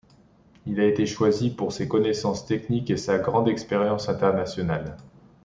Il a été choisi pour ses connaissances techniques et sa grande expérience internationale.